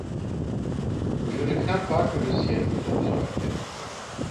Je ne crains pas que le ciel me tombe sur la tête.